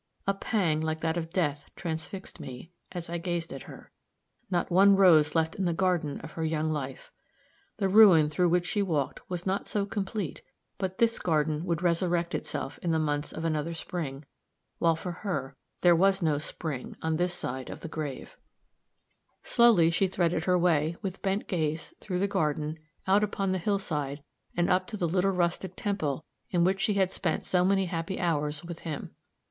A pang like that of death transfixed me, as I gazed at her. Not one rose left in the garden of her young life! The ruin through which she walked was not so complete but this garden would resurrect itself in the months of another spring while for her there was no spring on this side of the grave. [Illustration: Page 90. ELEANOR.] Slowly she threaded her way, with bent gaze, through the garden, out upon the hillside, and up to the little rustic temple in which she had spent so many happy hours with him.